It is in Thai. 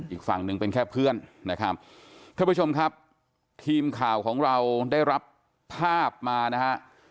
อีกฝั่งหนึ่งเป็นแค่เพื่อนนะครับท่านผู้ชมครับทีมข่าวของเราได้รับภาพมานะฮะ